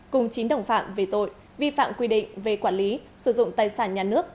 cùng chín đồng phạm về tội vi phạm quy định về quản lý sử dụng tài sản nhà nước